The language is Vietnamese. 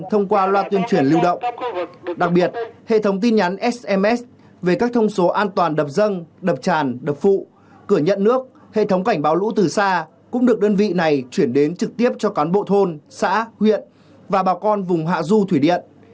thông qua loa tuyên truyền lưu động đặc biệt hệ thống tin nhắn sms về các thông số an toàn đập dân đập tràn đập phụ cửa nhận nước hệ thống cảnh báo lũ từ xa cũng được đơn vị này chuyển đến trực tiếp cho cán bộ thôn xã huyện và bà con vùng hạ du thủy điện